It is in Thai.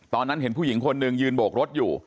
ตอนนั้นเห็นผู้หญิงคนหนึ่งยืนโบกรถอยู่